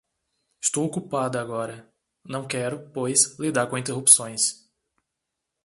Estou ocupada agora. Não quero, pois, lidar com interrupções.